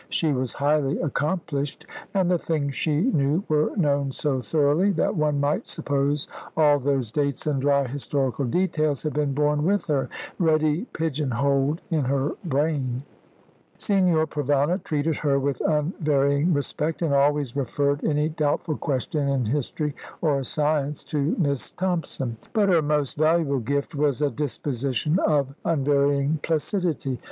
She was highly accomplished, and the things she knew were known so thoroughly, that one might suppose all those dates and dry historical details had been born with her, ready pigeon holed in her brain. Signor Provana treated her with unvarying respect, and always referred any doubtful question in history or science to Miss Thompson. But her most valuable gift was a disposition of unvarying placidity.